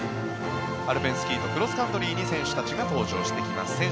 アルペンスキーとクロスカントリーに選手たちが登場してきます。